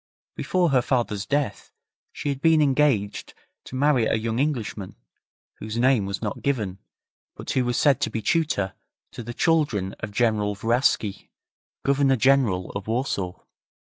Before her father's death she had been engaged to marry a young Englishman, whose name was not given, but who was said to be tutor to the children of General Vraski, Governor General of Warsaw.